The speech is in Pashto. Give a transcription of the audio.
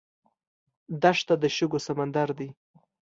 دښته د شګو سمندر دی.